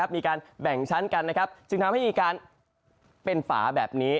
มีการแบ่งชั้นกันจึงทำให้มีการเป็นฝาแบบนี้